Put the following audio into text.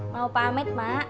mau pamit mak